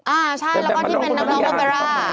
อ่าใช่แล้วก็ที่เป็นนักร้องโอเบร่า